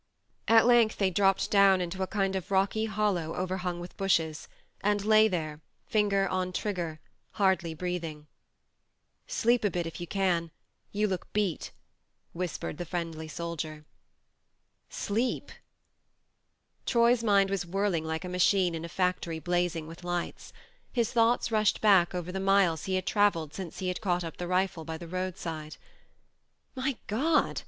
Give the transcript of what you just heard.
. At length they dropped down into a kind of rocky hollow overhung with bushes, and lay there, finger on trigger, hardly breathing. " Sleep a bit if you can you look beat," whispered the friendly soldier. Sleep f Troy's mind was whirling like a machine in a factory blazing with lights. His thoughts rushed back over the miles he had travelled since he had caught up the rifle by the roadside. " My God